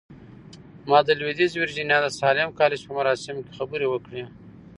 ما د لويديځې ويرجينيا د ساليم کالج په مراسمو کې خبرې وکړې.